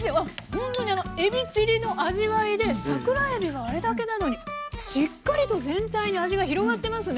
ほんとにあのえびチリの味わいで桜えびがあれだけなのにしっかりと全体に味が広がってますね。